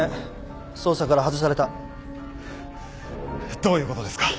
どういうことですか？